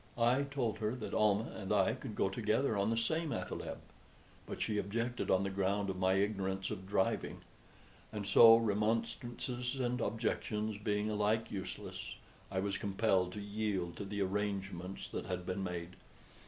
I told her that Almah and I could go together on the same athaleb; but she objected on the ground of my ignorance of driving. And so, remonstrances and objections being alike useless, I was compelled to yield to the arrangements that had been made.